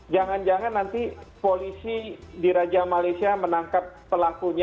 jangan jangan nanti polisi diraja malaysia menangkap pelakunya